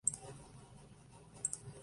Enseñó en París, en la Escuela catedralicia.